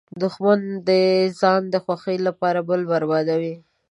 دښمن د ځان د خوښۍ لپاره بل بربادوي